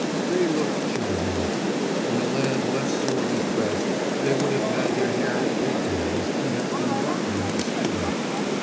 They looked children. In a land less sorely pressed, they would have had their hair in pigtails and have been romping in school.